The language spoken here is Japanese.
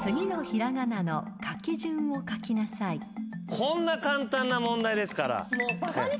こんな簡単な問題ですから。